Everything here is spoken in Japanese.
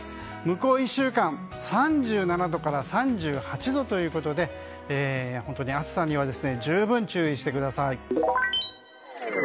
向こう１週間３７度から３８度ということで熱さには十分注意してください。